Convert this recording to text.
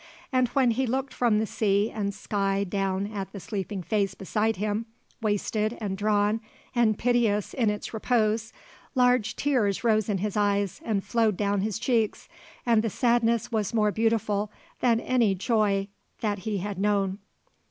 And when he looked from the sea and sky down at the sleeping face beside him, wasted and drawn and piteous in its repose, large tears rose in his eyes and flowed down his cheeks, and the sadness was more beautiful than any joy that he had known.